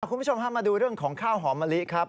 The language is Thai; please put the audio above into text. คุณผู้ชมพามาดูเรื่องของข้าวหอมมะลิครับ